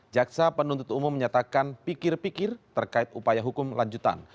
jaksa penuntut umum menyatakan pikir pikir terkait upaya hukum lanjutan